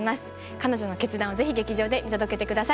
彼女の決断をぜひ劇場で見届けてください。